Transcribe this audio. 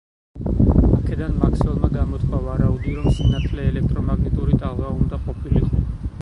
აქედან მაქსველმა გამოთქვა ვარაუდი, რომ სინათლე ელექტრომაგნიტური ტალღა უნდა ყოფილიყო.